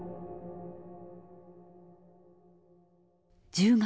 １０月。